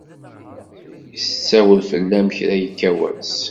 Tessawal fell-am kra yekka wass.